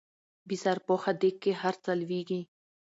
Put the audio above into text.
په بې سرپوښه ديګ کې هر څه لوېږي